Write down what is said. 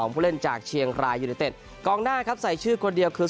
ผู้เล่นจากเชียงรายยูนิเต็ดกองหน้าครับใส่ชื่อคนเดียวคือ